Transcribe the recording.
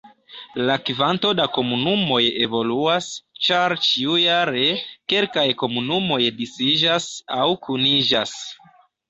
La kvanto da komunumoj evoluas, ĉar ĉiujare, kelkaj komunumoj disiĝas aŭ kuniĝas.